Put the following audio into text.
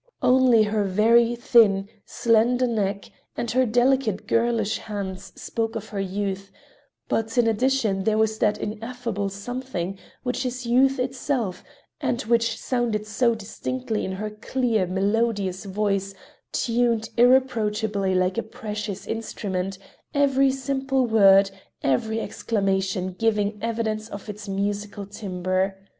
Only her very thin, slender neck, and her delicate girlish hands spoke of her youth; but in addition there was that ineffable something, which is youth itself, and which sounded so distinctly in her clear, melodious voice, tuned irreproachably like a precious instrument, every simple word, every exclamation giving evidence of its musical timbre.